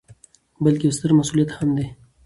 ، بلکې یو ستر مسؤلیت هم دی